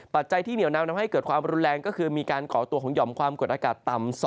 จัยที่เหนียวนำทำให้เกิดความรุนแรงก็คือมีการก่อตัวของหย่อมความกดอากาศต่ำ